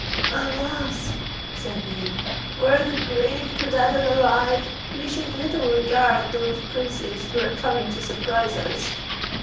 "Alas!" said they, "were the brave Codadad alive, we should little regard those princes who are coming to surprise us."